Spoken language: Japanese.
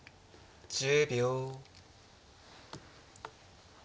１０秒。